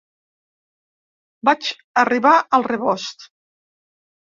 Vaig arribar al rebost.